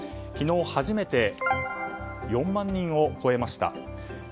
昨日初めて４万人を超えました。